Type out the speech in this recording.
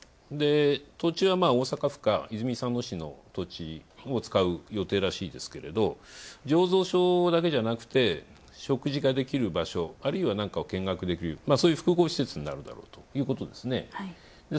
土地は大阪府か泉佐野市の土地を使うらしいですけど醸造所だけじゃなくて食事ができる場所、あるいは見学できる、そういう複合施設になるだろうということですね。